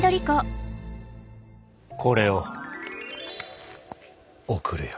これを贈るよ！